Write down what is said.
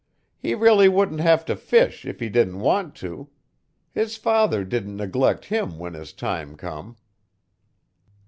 He really wouldn't have to fish if he didn't want to. His father didn't neglect him when his time come."